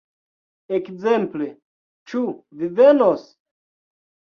Ekzemple "Ĉu vi venos?